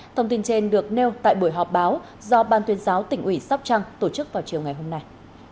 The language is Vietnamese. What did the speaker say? thông tin trên được nêu tại buổi họp báo do ban tuyên giáo tỉnh ủy sóc trăng tổ chức vào chiều ngày hôm nay